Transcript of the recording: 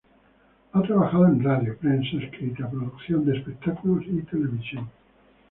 Ha trabajado en radio, prensa escrita, producción de espectáculos y televisión.